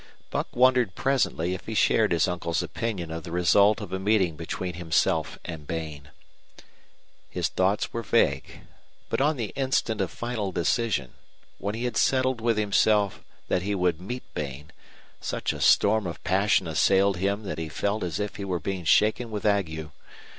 Buck wondered presently if he shared his uncle's opinion of the result of a meeting between himself and Bain. His thoughts were vague. But on the instant of final decision, when he had settled with himself that he would meet Bain, such a storm of passion assailed him that he felt as if he was being shaken with ague.